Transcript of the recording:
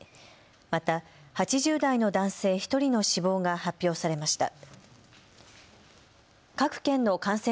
また８０代の男性１人の死亡が発表されました。